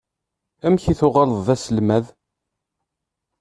Amek i tuɣaleḍ d aselmad?